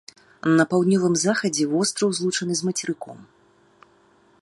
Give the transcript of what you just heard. На паўднёвым захадзе востраў злучаны з мацерыком.